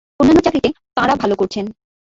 অন্যান্য চাকরিতে তাঁরা ভালো করছেন।